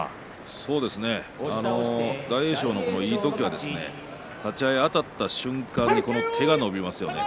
そうですね、大栄翔のいい時は立ち合いあたった瞬間に手が伸びますね。